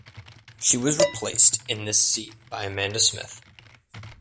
She was replaced in this seat by Amanda Smith.